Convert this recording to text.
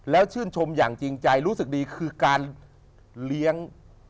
แล้วชื่นชมอย่างจริงใจรู้สึกดีคือการเลี้ยง